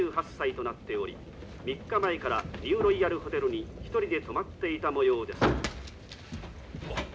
２８歳となっており３日前からニューロイヤルホテルに１人で泊まっていたもようです」。